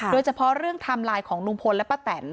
โดยเฉพาะเรื่องไทม์ไลน์ของลุงพลและป้าแตน